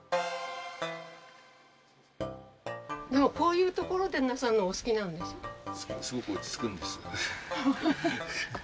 でもこういうところでなさるのがお好きなんです？